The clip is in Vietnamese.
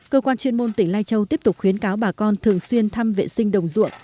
cơ quan chuyên môn tỉnh lai châu tiếp tục khuyến cáo bà con thường xuyên thăm vệ sinh đồng ruộng